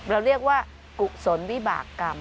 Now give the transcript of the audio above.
เราเรียกว่ากุศลวิบากรรม